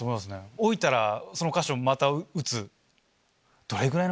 老いたらその箇所をまた打つ。